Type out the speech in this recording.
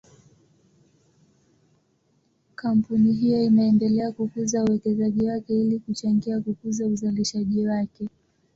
Kampuni hiyo inaendelea kukuza uwekezaji wake ili kuchangia kukuza uzalishaji wake.